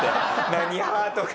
何派？とか。